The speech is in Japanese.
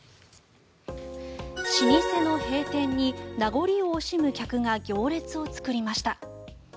老舗の閉店に名残を惜しむ客が行列を作りました。